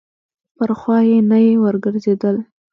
پر خوا یې نه یې ورګرځېدل.